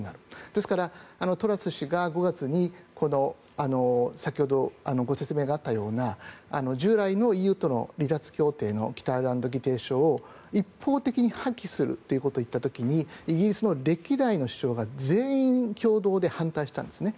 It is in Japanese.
ですからトラス氏が５月に先ほどご説明があったような従来のＥＵとの離脱協定の北アイルランド議定書を一方的に破棄するということを言った時にイギリスの歴代の首相が全員共同で反対したんですね。